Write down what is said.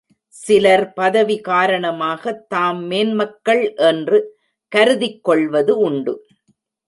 சிலர் பதவி காரணமாகத் தாம் மேன்மக்கள் என்று கருதிக்கொள்வது உண்டு.